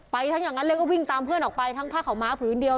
ทั้งอย่างนั้นแล้วก็วิ่งตามเพื่อนออกไปทั้งผ้าขาวม้าผืนเดียว